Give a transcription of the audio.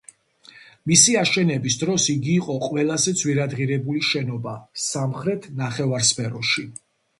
მისი აშენების დროს, იგი იყო ყველაზე ძვირადღირებული შენობა სამხრეთ ნახევარსფეროში.